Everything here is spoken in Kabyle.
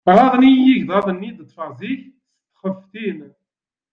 Ɣaḍen-iyi igḍaḍ-nni i d-ṭṭfeɣ zik s txeftin.